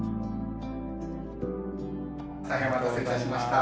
大変お待たせいたしました。